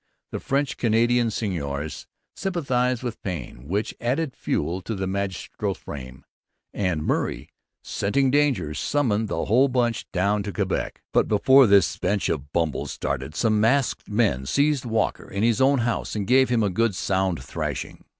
The French Canadian seigneurs sympathized with Payne, which added fuel to the magisterial flame; and Murray, scenting danger, summoned the whole bench down to Quebec. But before this bench of bumbles started some masked men seized Walker in his own house and gave him a good sound thrashing.